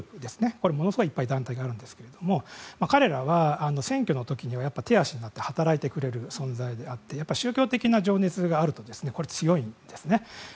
これ、ものすごいいっぱい団体があるんですけども彼らは、選挙の時には手足となって働いてくれる存在であって宗教的な情熱があると強いんですね。